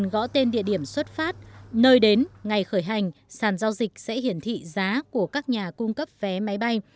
gõ tên địa điểm xuất phát nơi đến ngày khởi hành sàn giao dịch sẽ hiển thị giá của các nhà cung cấp vé máy bay